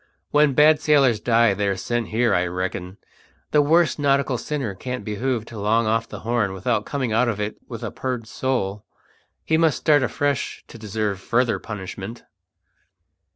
When bad sailors die they're sent here, I reckon. The worst nautical sinner can't be hove to long off the Horn without coming out of it with a purged soul. He must start afresh to deserve further punishment."